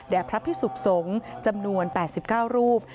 แด่พระพิศุกษงศ์จำนวน๘๙รูป